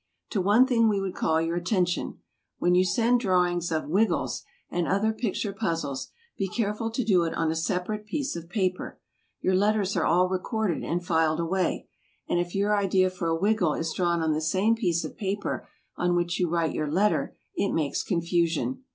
To one thing we would call your attention. When you send drawings of "Wiggles" and other picture puzzles, be careful to do it on a separate piece of paper. Your letters are all recorded, and filed away, and if your idea for a "Wiggle" is drawn on the same piece of paper on which you write your letter, it makes confusion.